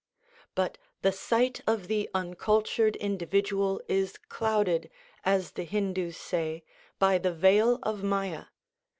But the sight of the uncultured individual is clouded, as the Hindus say, by the veil of Mâyâ.